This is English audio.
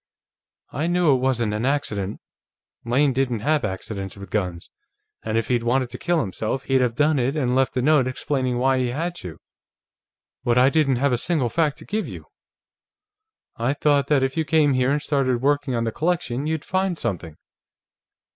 I knew it wasn't an accident; Lane didn't have accidents with guns. And if he'd wanted to kill himself, he'd have done it and left a note explaining why he had to. But I didn't have a single fact to give you. I thought that if you came here and started working on the collection, you'd find something."